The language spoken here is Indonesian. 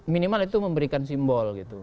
minimal itu memberikan simbol gitu